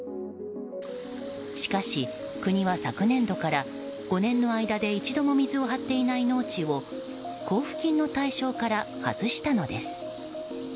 しかし国は昨年度から５年の間で一度も水を張っていない農地を交付金の対象から外したのです。